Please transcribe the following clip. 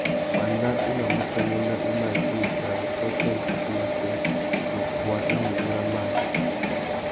Wanda i mà mù chanena i mà djï kā zu sôtô iffussú matê, wuffuá na mudjúra mâā.